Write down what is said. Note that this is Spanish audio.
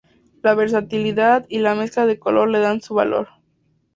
La versatilidad y la mezcla de color le dan su valor.